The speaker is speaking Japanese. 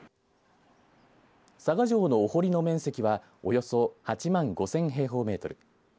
佐賀城のお堀の面積はおよそ８万５０００平方メートル。